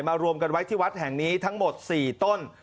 รวมกันไว้ที่วัดแห่งนี้ทั้งหมด๔ต้น